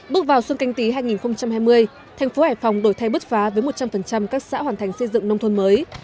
bước vào xuân canh tí hai nghìn hai mươi thành phố hải phòng đổi thay bứt phá với một trăm linh các xã hoàn thành xây dựng nông thôn mới